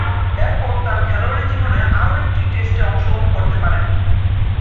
এরপর তার খেলোয়াড়ী জীবনে আরও একটি টেস্টে অংশগ্রহণ করতে পারেননি।